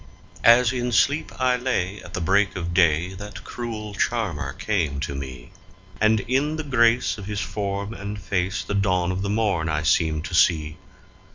As in sleep I lay at the break of day that cruel charmer came to me, And in the grace of his form and face the dawn of the morn I seemed to see.